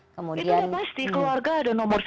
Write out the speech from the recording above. itu udah pasti keluarga ada nomor satu